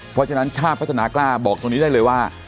เพราะฉะนั้นชาติพัฒนากล้าบอกตรงนี้ได้เลยว่า